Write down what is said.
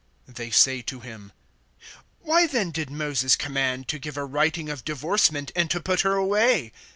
(7)They say to him: Why then did Moses command to give a writing of divorcement, and to put her away?